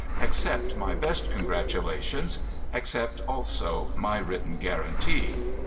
Accept my best congratulations. Accept, also, my written guarantee.'